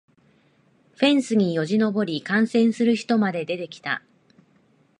フェンスによじ登り観戦する人まで出てきた